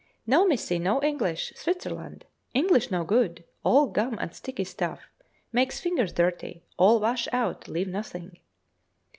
'No, Missy; no English Switzerland; English no good; all gum and sticky stuff; make fingers dirty; all wash out; leave nothing.'